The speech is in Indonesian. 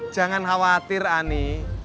jangan khawatir ani